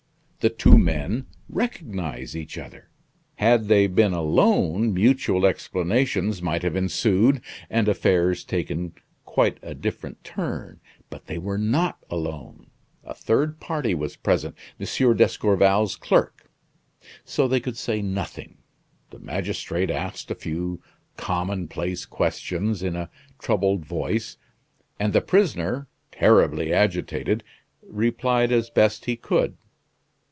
The two men recognize each other. Had they been alone, mutual explanations might have ensued, and affairs taken quite a different turn. But they were not alone; a third party was present M. d'Escorval's clerk. So they could say nothing. The magistrate asked a few common place questions, in a troubled voice, and the prisoner, terribly agitated, replied as best he could.